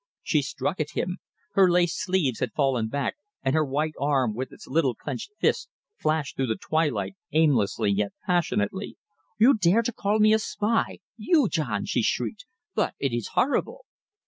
She struck at him. Her lace sleeves had fallen back, and her white arm, with its little clenched fist, flashed through the twilight, aimlessly yet passionately. "You dare to call me a spy! You, John?" she shrieked. "But it is horrible."